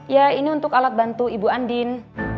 ya ini untuk alat bantu ibu andin